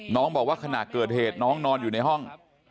น้องบอกว่าขณะเกิดเหตุน้องนอนอยู่ในห้อง